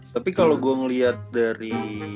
tapi kalau gue ngeliat dari